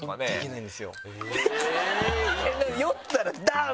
酔ったらダン！